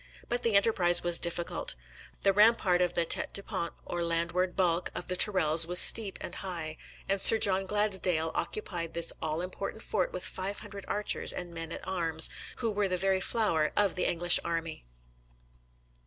But the enterprise was difficult. The rampart of the tete du pont, or landward bulwark, of the Tourelles was steep and high; and Sir John Gladsdale occupied this all important fort with five hundred archers and men at arms, who were the very flower of the English army.